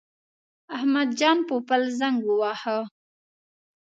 احمد جان پوپل زنګ وواهه.